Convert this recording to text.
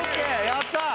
やったー！